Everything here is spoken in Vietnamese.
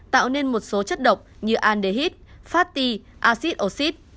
tạo nên một số chất độc như aldehyde fatty acid oxide